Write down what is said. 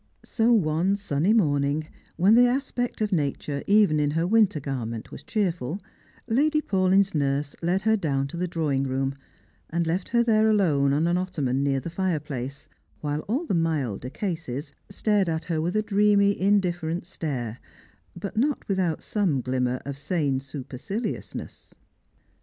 So one sunny morning, when the aspect of Nature, even in her winter garment, was cheerful, Lady Paulyn's nurse led her down to the drawing room, and left her there alone on an otto man near the firejilace, while all the milder cases stared at her with a dreamy indifierent stare, but not without some glimmer of sane superciliousness.